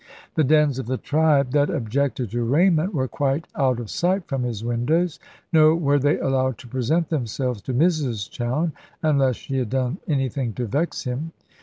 The dens of the tribe that objected to raiment were quite out of sight from his windows; nor were they allowed to present themselves to Mrs Chowne, unless she had done anything to vex him.